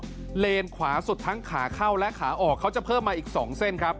เลนขวาสุดทั้งขาเข้าและขาออกเขาจะเพิ่มมาอีก๒เส้นครับ